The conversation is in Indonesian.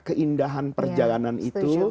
keindahan perjalanan itu